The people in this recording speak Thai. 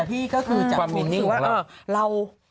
แต่ที่ก็คือจากความมินสุขของเรา